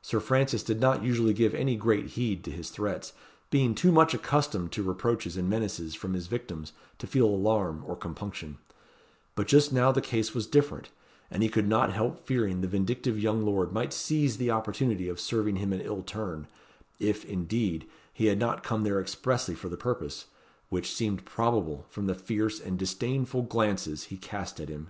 Sir Francis did not usually give any great heed to his threats, being too much accustomed to reproaches and menaces from his victims to feel alarm or compunction; but just now the case was different, and he could not help fearing the vindictive young lord might seize the opportunity of serving him an ill turn, if, indeed, he had not come there expressly for the purpose, which seemed probable, from the fierce and disdainful glances he cast at him.